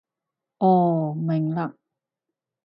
哦，明嘞